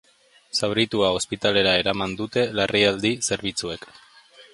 Zauritua ospitalera eraman dute larrialdi zerbitzuek.